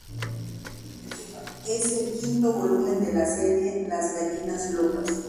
Es el quinto volumen de la serie "Las Gallinas Locas".